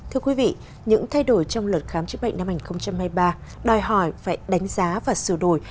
thưa quý vị những thay đổi trong luật khám chữa bệnh năm hai nghìn hai mươi ba đòi hỏi phải đánh giá và sửa đổi